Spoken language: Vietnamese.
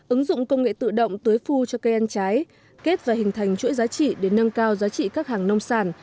ứng dụng công nghệ tự động tưới phu cho cây ăn trái kết và hình thành chuỗi giá trị để nâng cao giá trị các hàng nông sản